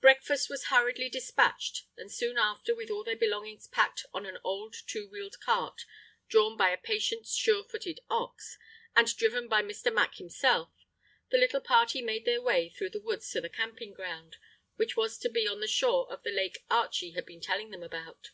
Breakfast wras hurriedly despatched, and soon after, with all their belongings packed on an old two wheeled cart drawn by a patient sure footed ox, and driven by Mr. Mack himself, the little party made their way through the woods to their camping ground, which was to be on the shore of the lake Archie had been telling them about.